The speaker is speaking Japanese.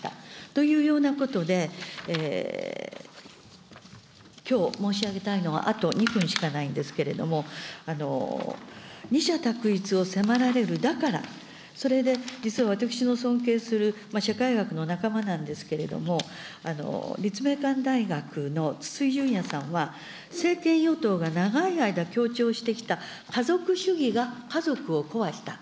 というようなことで、きょう申し上げたいのは、あと２分しかないんですけれども、二者択一を迫られる、だから、それで実は私の尊敬する社会学の仲間なんですけれども、立命館大学の筒井淳也さんは、政権与党が長い間強調してきた家族主義が家族を壊した。